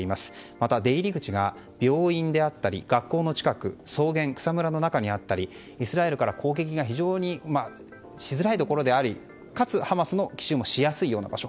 また、出入り口が病院であったり学校の近く草原、草むらの中にあったりイスラエルから攻撃が非常にしづらいところでありかつハマスの奇襲もしやすい場所。